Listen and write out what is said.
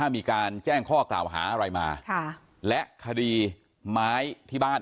มีการแจ้งข้อกล่าวหาอะไรมาและคดีไม้ที่บ้าน